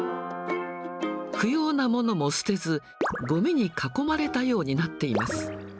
不要なものも捨てず、ごみに囲まれたようになっています。